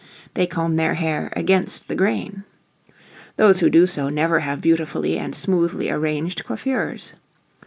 They comb their hair "against the grain." Those who do so never have beautifully and smoothly arranged coiffures.